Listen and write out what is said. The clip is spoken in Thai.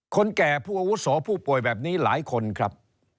แก่ผู้อาวุโสผู้ป่วยแบบนี้หลายคนครับ